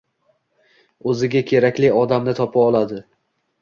o‘ziga kerakli odamni topa oladi.